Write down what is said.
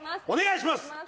お願いします！